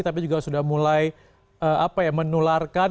tapi juga sudah mulai menularkan